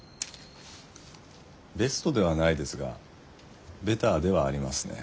ベストではないですがベターではありますね。